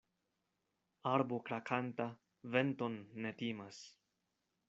Arbo krakanta venton ne timas.